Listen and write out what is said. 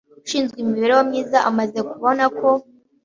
ushinzwe imibereho myiza amaze kubona ko